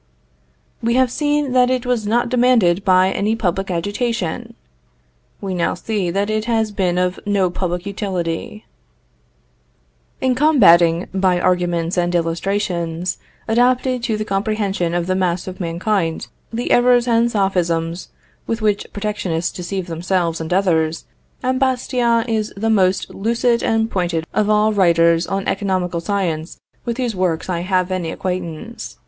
We have seen that it was not demanded by any public agitation. We now see that it has been of no public utility. [Footnote 2: Congressional Globe, Second Session Thirty ninth Congress, p. 724.] In combating, by arguments and illustrations adapted to the comprehension of the mass of mankind, the errors and sophisms with which protectionists deceive themselves and others, M. Bastiat is the most lucid and pointed of all writers on economical science with whose works I have any acquaintance.